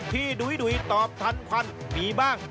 ดุ้ยตอบทันควันมีบ้าง